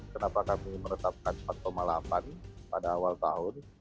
kenapa kami menetapkan empat delapan pada awal tahun